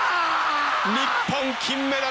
日本金メダル！